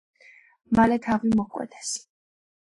მალე თავი მოკვეთეს.